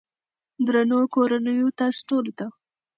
درنو کورنيو تاسو ټولو ته